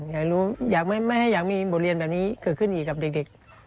อยากรู้อยากไม่ให้อยากมีบทเรียนแบบนี้เกิดขึ้นอีกกับเด็ก